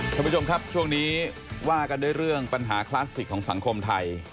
ท่านผู้ชมครับช่วงนี้ว่ากันด้วยเรื่องปัญหาคลาสสิกของสังคมไทย